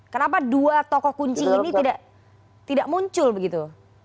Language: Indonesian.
kenapa dua tokoh kunci ini tidak muncul begitu